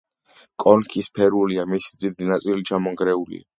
კონქი სფერულია, მისი დიდი ნაწილი ჩამონგრეულია.